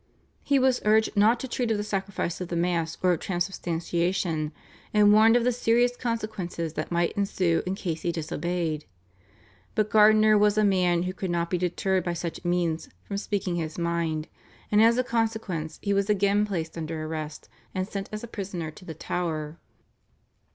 He was urged not to treat of the sacrifice of the Mass, or of Transubstantiation, and warned of the serious consequences that might ensue in case he disobeyed; but Gardiner was a man who could not be deterred by such means from speaking his mind, and as a consequence he was again placed under arrest, and sent as a prisoner to the Tower.